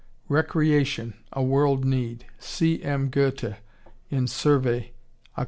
Recreation. A World Need. C. M. Goethe in Survey, Oct.